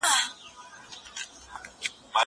که وخت وي، سبا ته فکر کوم!